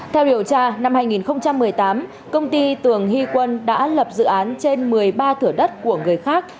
theo điều tra năm hai nghìn một mươi tám công ty tường hy quân đã lập dự án trên một mươi ba thửa đất của người khác